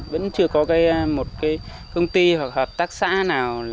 vẫn chưa có một cái công ty hoặc hợp tác xã nào